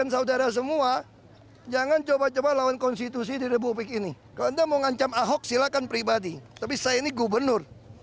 sebagai ahok silakan pribadi tapi saya ini gubernur